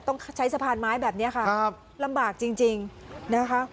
ต้องใช้สะพานไม้แบบนี้ค่ะลำบากจริงนะคะ